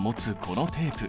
このテープ。